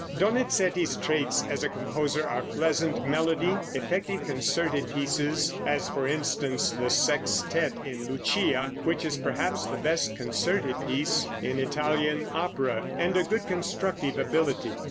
Donizetti's traits as a composer are pleasant melody, effective concerted pieces (as, for instance, the sextette in "Lucia," which is perhaps the best concerted piece in Italian opera), and a good constructive ability.